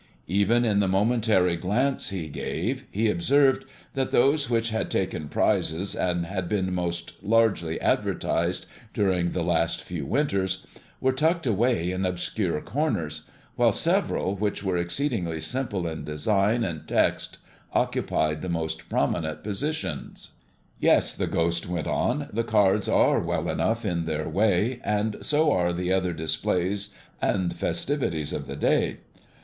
Even in the momentary glance he gave, he observed that those which had taken prizes and had been most largely advertised during the past few winters, were tucked away in obscure corners, while several which were exceedingly simple in design and text occupied the most prominent positions. "Yes," the Ghost went on, "the cards are well enough in their way, and so are the other displays and festivities of the day.